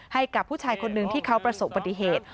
ให้กับผู้ชายคนหนึ่งที่เขาประสบปฏิเหตุ